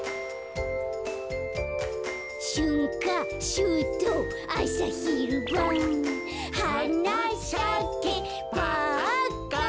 「しゅんかしゅうとうあさひるばん」「はなさけパッカン」